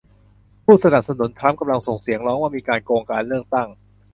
ผู้สนับสนุนทรัมป์กำลังส่งเสียงร้องว่ามีการโกงการเลือกตั้ง